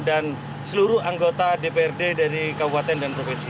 dan seluruh anggota dprd dari kabupaten dan provinsi